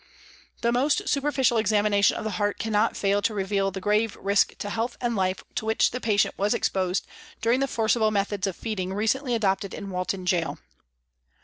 The most super ficial examination of the heart cannot fail to reveal the grave risk to health and life to which the patient was exposed during the forcible methods of feeding recently adopted in Walton Gaol."